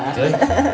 gak bisa dateng ya